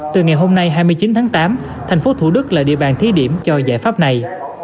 từ ngày hôm nay hai mươi chín tháng tám thành phố thủ đức là địa bàn thí điểm cho giải pháp này